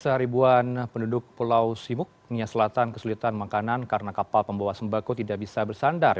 seharibuan penduduk pulau simuk nia selatan kesulitan makanan karena kapal pembawa sembako tidak bisa bersandar